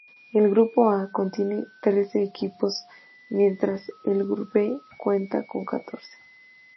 El grupo A contiene trece equipos, mientras que el B cuenta con catorce.